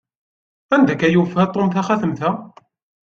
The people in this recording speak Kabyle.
Anda akka i yufa Tom taxatemt-a?